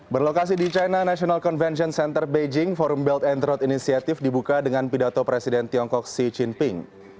berlokasi di china national convention center beijing forum belt and road initiative dibuka dengan pidato presiden tiongkok xi jinping